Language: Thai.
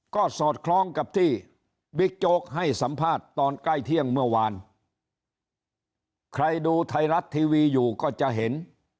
ก็สอดคล้องกับที่บิ๊กโจ๊กให้สัมภาษณ์ตอนใกล้เที่ยงเมื่อวานใครดูไทยรัฐทีวีอยู่ก็จะเห็น